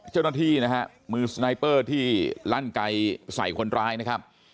เจ้าหน้าที่นะฮะมือสไนเปอร์ที่ลั่นไกลใส่คนร้ายนะครับ